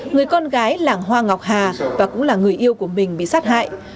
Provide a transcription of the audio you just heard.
người con gái là hoa ngọc hà và cũng là người yêu của mình bị sát hại